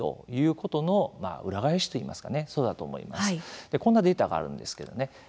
こんなデータがあるんですけど。